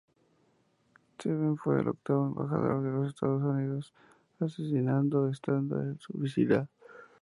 Stevens fue el octavo embajador de los Estados Unidos asesinado estando en su oficina.